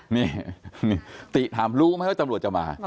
นี่ติถามรู้ไหมว่าตำรวจจะมา